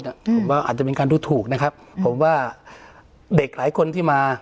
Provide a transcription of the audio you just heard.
ผมว่าอาจจะเป็นการดูถูกนะครับผมว่าเด็กหลายคนที่มา